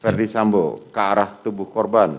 verdi sambo ke arah tubuh korban